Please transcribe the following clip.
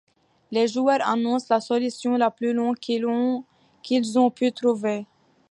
Les joueurs annoncent la solution la plus longue qu'ils ont pu trouver.